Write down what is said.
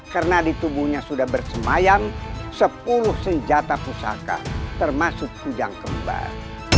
karena di tubuhnya sudah bersemayam sepuluh senjata pusaka termasuk kujang kembar